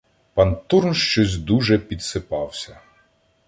Пан Турн щось дуже підсипався